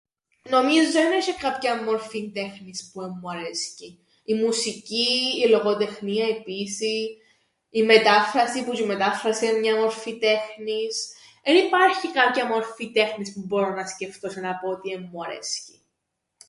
Νομίζω εν έσ̆ει κάποιαν μορφή τέχνης που εν μου αρέσκει. Η μουσική, η λογοτεχνία, η ποίηση, η μετάφραση, που τζ̆' η μετάφραση εν' μια μορφή τέχνης, εν υπάρχει κάποια μορφή τ΄΄εχνης που μπορώ να σκεφτώ τζ̆αι να πω ότι εν μου αρέσκει.